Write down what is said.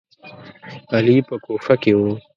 علي په کوفه کې و.